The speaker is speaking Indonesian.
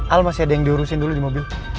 al masih ada yang diurusin dulu di mobil